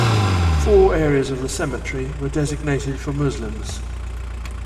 Four areas of the cemetery were designated for Muslims.